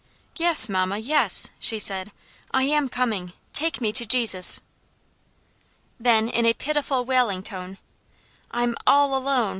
"Yes, mamma; yes," she said, "I am coming! Take me to Jesus." Then, in a pitiful, wailing tone, "I'm all alone!